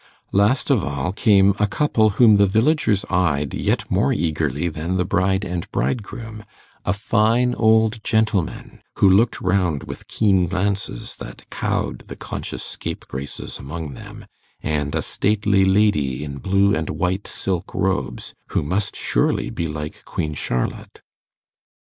Last of all came a couple whom the villagers eyed yet more eagerly than the bride and bridegroom: a fine old gentleman, who looked round with keen glances that cowed the conscious scapegraces among them, and a stately lady in blue and white silk robes, who must surely be like Queen Charlotte.